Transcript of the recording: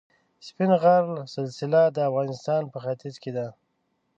د سپین غر سلسله د افغانستان په ختیځ کې ده.